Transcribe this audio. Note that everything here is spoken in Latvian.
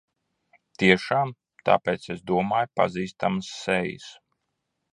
Tiešām! Tāpēc es domāju pazīstamas sejas.